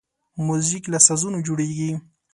موزیک له سازونو جوړیږي.